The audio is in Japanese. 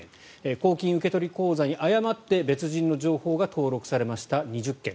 公金受取口座に誤って別人の情報が登録されました、２０件。